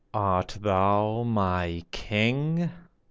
Art thou my King